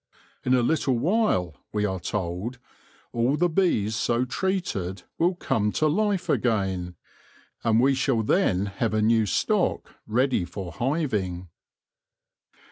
In a little while, we are told, all the bees so treated will come to life again, and we shall then have a new stock ready for hiving.